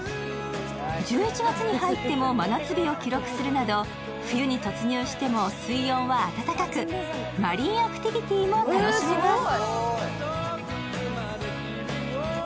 １１月に入っても真夏日を記録するなど冬に突入しても水温か暖かく、マリンアクティビティーも楽しめます。